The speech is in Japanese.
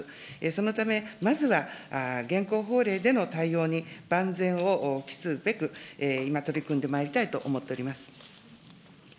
そのため、まずは現行法令での対応に万全を期すべく、今、取り組んでまいりたいと思っております。